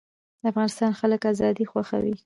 د افغانستان خلک ازادي خوښوي